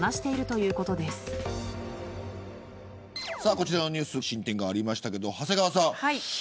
こちらのニュース進展がありましたが長谷川さん。